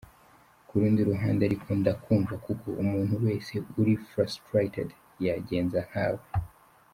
Ku rundi ruhande ariko ndakumva kuko umuntu wese uri frustrated yagenza nkawe.